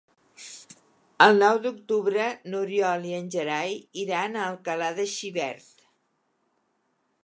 El nou d'octubre n'Oriol i en Gerai iran a Alcalà de Xivert.